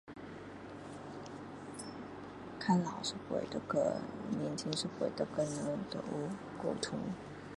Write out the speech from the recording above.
较老一辈要和年轻一辈的跟人要有沟通